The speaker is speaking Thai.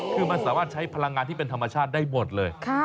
คือมันสามารถใช้พลังงานที่เป็นธรรมชาติได้หมดเลย